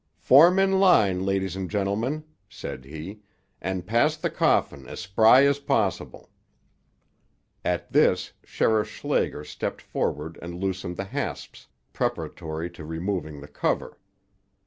"Form in line, ladies and gentlemen," said he, "and pass the coffin as spry as possible." At this, Sheriff Schlager stepped forward and loosened the hasps, preparatory to removing the cover.